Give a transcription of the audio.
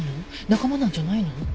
仲間なんじゃないの？